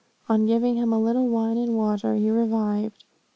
On giving him a little wine and water, he revived.